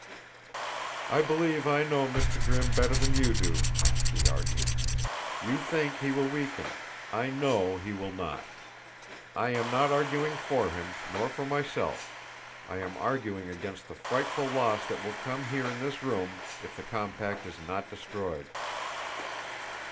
"I believe I know Mr. Grimm better than you do," she argued. "You think he will weaken; I know he will not. I am not arguing for him, nor for myself; I am arguing against the frightful loss that will come here in this room if the compact is not destroyed."